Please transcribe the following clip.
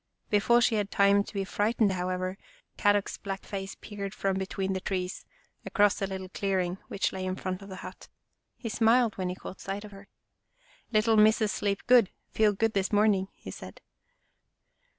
Before she had time to be frightened, however, Kadok's black face peered from between the trees, across the little clearing which lay in front of the hut. He smiled when he caught sight of her. " Little Missa sleep good, feel good this morning," he said.